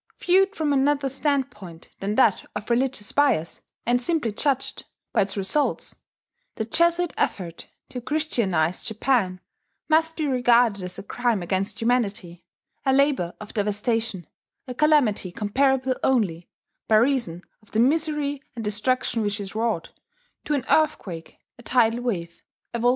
... Viewed from another standpoint than that of religious bias, and simply judged by its results, the Jesuit effort to Christianize Japan must be regarded as a crime against humanity, a labour of devastation, a calamity comparable only, by reason of the misery and destruction which it wrought, to an earthquake, a tidal wave, a volcanic eruption.